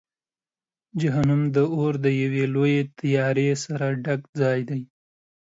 جهنم د اور د یوې لویې تیارې سره ډک ځای دی.